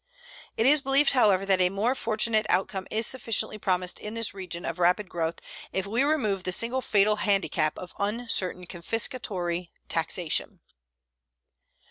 It is believed, however, that a more fortunate outcome is sufficiently promised in this region of rapid growth if we remove the single fatal handicap of uncertain confiscatory taxation.